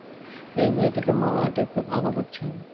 এই মেয়েটিকে মা ডেকে ভালো লাগছে।